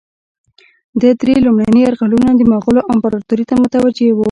ده درې لومړني یرغلونه مغولو امپراطوري ته متوجه وه.